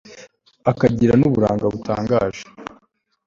akagira n'uburanga butangaje